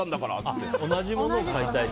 同じものを買いたいと？